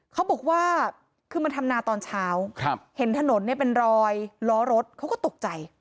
เขาบอกว่าคือมันทำนาตอนเช้าเห็นถนนเนี่ยเป็นรอยล้อรถเขาก็ตกใจ